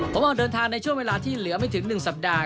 ผมออกเดินทางในช่วงเวลาที่เหลือไม่ถึง๑สัปดาห์